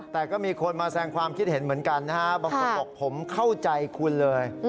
แต่ก็มีคนมาแสงความคิดเห็นเหมือนกันนะฮะบางคนบอกผมเข้าใจคุณเลย